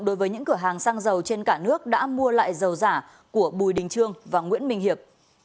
đối với những cửa hàng xăng dầu trên cả nước đã mua lại dầu giả của bùi đình trương và nguyễn minh hiệp